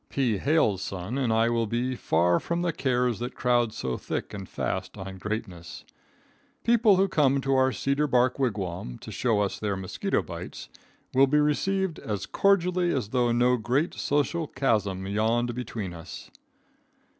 P. Wales' son and I will be far from the cares that crowd so thick and fast on greatness. People who come to our cedar bark wigwam to show us their mosquito bites, will be received as cordially as though no great social chasm yawned between us.